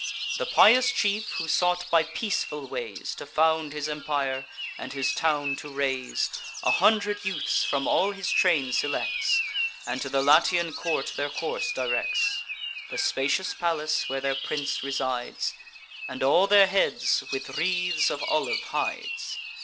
The pious chief, who sought by peaceful ways To found his empire, and his town to raise, A hundred youths from all his train selects, And to the Latian court their course directs, (The spacious palace where their prince resides,) And all their heads with wreaths of olive hides.